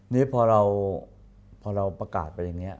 นี่พอเราประกาศไปอย่างนี้